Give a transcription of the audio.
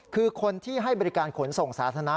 คือคนที่ให้บริการขนส่งสาธารณะ